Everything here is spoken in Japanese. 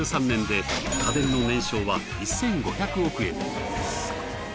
１３年で家電の年商は１，５００億円に。